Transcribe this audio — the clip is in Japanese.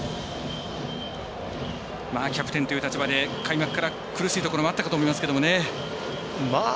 キャプテンという立場で開幕から苦しいところもあったかと思いますけどね。